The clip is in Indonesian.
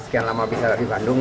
sekian lama bisa lagi bandung